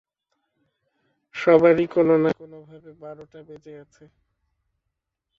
সবারই কোনো না কোনোভাবে বারোটা বেজে আছে।